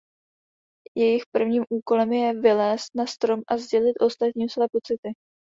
Jejich prvním úkolem je vylézt na strom a sdělit ostatním své pocity.